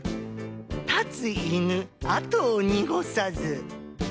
「立つ犬跡を濁さず」。